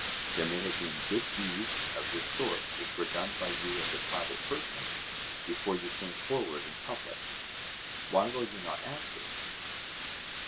There may have been good deeds of this sort which were done by you as a private person, before you came forward in public. Why will you not answer?